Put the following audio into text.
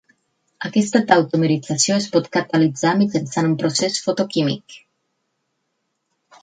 Aquesta tautomerització es pot catalitzar mitjançant un procés fotoquímic.